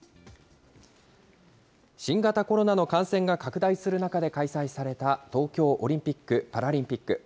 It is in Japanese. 新型コロナの感染が拡大する中で開催された東京オリンピック・パラリンピック。